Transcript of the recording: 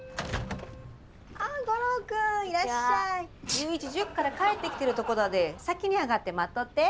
ゆういち塾から帰ってきてるとこだで先に上がって待っとって。